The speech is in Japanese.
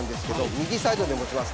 右サイドで持ちます。